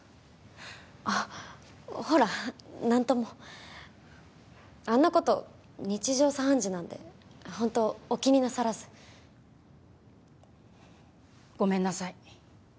あっほら何ともあんなこと日常茶飯事なんで本当お気になさらずごめんなさい